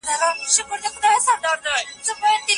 فرمايي چي زه هر څه اورم او وینم.